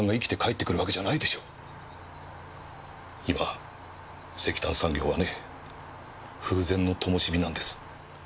今石炭産業はね風前の灯なんです。